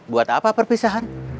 buat apa perpisahan